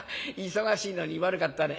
忙しいのに悪かったね。